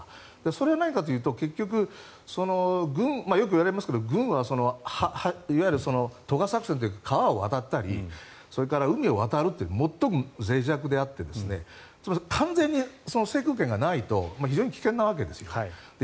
それは何かというと結局、よく言われますが軍は渡河作戦というか川を渡ったりそれから海を渡るという最もぜい弱であって完全に制空権がないと不利なわけですね。